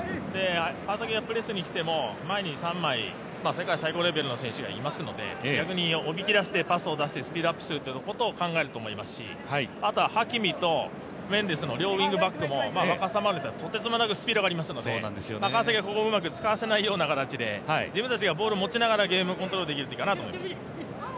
川崎はプレスに来ても前に３枚、世界最高レベルの選手がいますので逆におびきだしてパスを出してスピードアップすることを考えると思いますし、あとはハキミとメンデスの両ウイングバックも若さもあるんですが、とてつもなくスピードもありますので、川崎はここをうまく使わせないような形で自分たちがボールを持ってゲームをコントロールできるかなと思います。